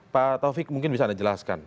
pak taufik mungkin bisa anda jelaskan